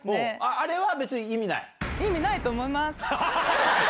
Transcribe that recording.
あれは別に意味ない？